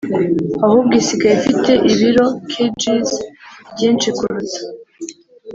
ahubwo isigaye ifite ibiro(kgs) byinshi kuruta